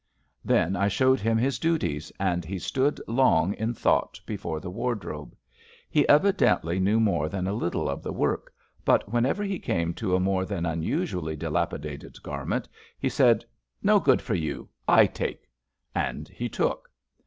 Then I showed him his duties, and he stood long in thought before the wardrobe. He evidently knew more than a little of the work, but whenever he came to a more than unusually dilapidated garment, he said: " No good for you, I take ''; and he took.